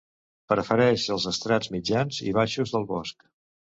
Prefereix els estrats mitjans i baixos del bosc.